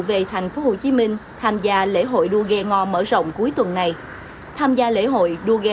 về thành phố hồ chí minh tham gia lễ hội đua ghe ngo mở rộng cuối tuần này tham gia lễ hội đua ghe